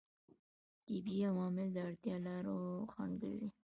طبیعي عوامل د ارتباط لارو خنډ ګرځي.